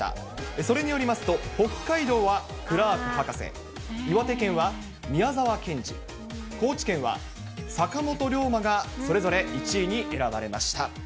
それによりますと、北海道はクラーク博士、岩手県は宮沢賢治、高知県は坂本龍馬が、それぞれ１位に選ばれました。